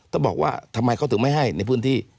ก็บอกว่าทำไมเขาถึงไม่ให้ในพื้นที่